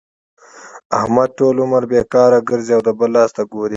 احمد ټول عمر بېکاره ګرځي او د بل لاس ته ګوري.